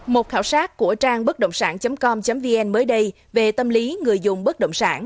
một khảo sát của trang bất động sản com vn mới đây về tâm lý người dùng bất động sản